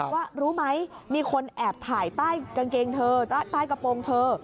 ว่ารู้ไหมมีคนแอบถ่ายใต้กางเกงเธอใต้กระโปรงเธอ